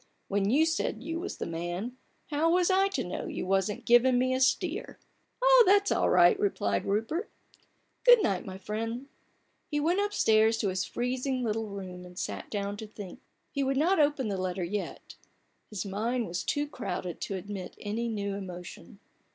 " When you said you was the man, how was I to know you wasn't givin' me a steer ?" 24 A BOOK OF BARGAINS. "Oh, that's all right!" replied Rupert. " Good night, my friend." He went upstairs to his freezing little room, and sat down to think. He would not open the letter yet : his mind was too crowded to admit any new emotion.